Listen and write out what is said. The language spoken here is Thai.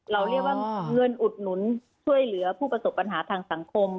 เราเรียกว่าเงินอุดหนุนช่วยเหลือผู้ประสบปัญหาทางสังคม